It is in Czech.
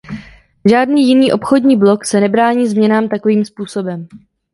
Žádný jiný obchodní blok se nebrání změnám takovým způsobem.